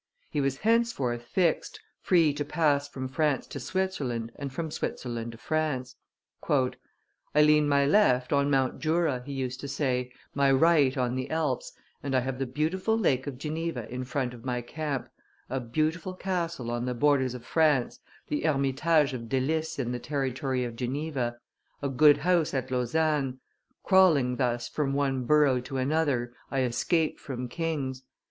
He was henceforth fixed, free to pass from France to Switzerland and from Switzerland to France. "I lean my left on Mount Jura," he used to say, "my right on the Alps, and I have the beautiful Lake of Geneva in front of my camp, a beautiful castle on the borders of France, the hermitage of Delices in the territory of Geneva, a good house at Lausanne; crawling thus from one burrow to another, I escape from kings.